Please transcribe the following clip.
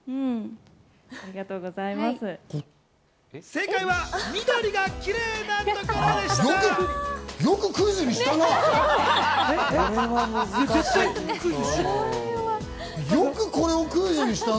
正解は、緑がきれいなところでした。